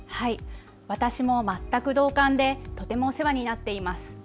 私も全く同感でとてもお世話になっています。